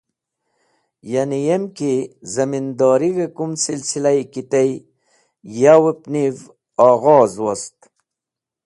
Ya’ni yem ki zamindorig̃h-e kum silsilayi ki tey, yowep niv ogoghz wost.